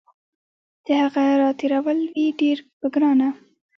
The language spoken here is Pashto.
د هغه راتېرول وي ډیر په ګرانه